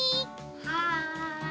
はい。